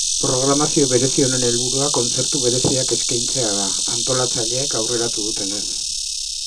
Programazio berezi honen helburua kontzertu bereziak eskeintzea da, antolatzaileek aurreratu dutenez.